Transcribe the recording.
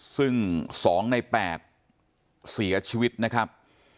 ซึ่ง๒ใน๘เสียชีวิตนะครับ